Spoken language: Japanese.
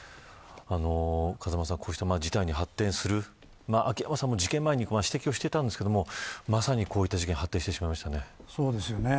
こうした事態に発展する秋山さんも事件前に指摘していましたがまさに、こういった事件に発展してしまいましたね。